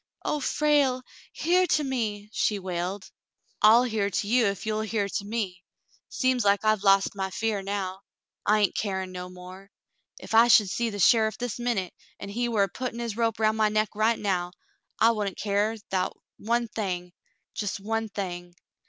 *'0h, Frale ! Hear to me !" she wailed. "I'll hear to you, ef you'll hear to me. Seems like I've lost my fear now. I hain't carin* no more. Ef I should see the sheriff this minute, an' he war a puttin' his rope round my neck right now, I wouldn't care 'thout one thing — jes' one thing.